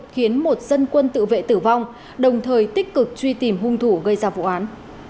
khiến một dân quân tự vệ tử vong đồng thời tích cực truy tìm hung thủ gây ra vụ án